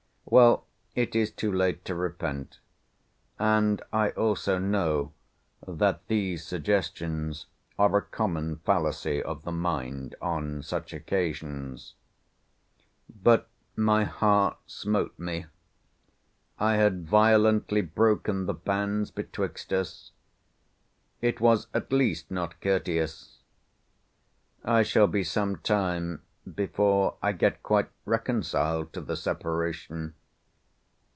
Well, it is too late to repent; and I also know, that these suggestions are a common fallacy of the mind on such occasions. But my heart smote me. I had violently broken the bands betwixt us. It was at least not courteous. I shall be some time before I get quite reconciled to the separation.